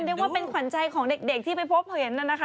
เรียกว่าเป็นขวัญใจของเด็กที่ไปพบเห็นนั่นนะคะ